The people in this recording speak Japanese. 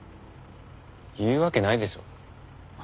言うわけないでしょ。